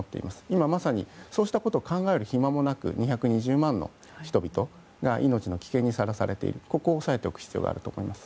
今まさにそうしたことを考える暇もなく２２０万の人々が命の危険にさらされているというここを押さえておく必要があると思います。